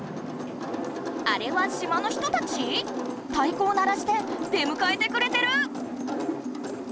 あれは島の人たち⁉たいこを鳴らして出むかえてくれてる！